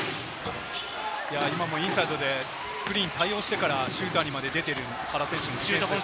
今もインサイドでスクリーンに対応してからシューターにまで出ている原選手。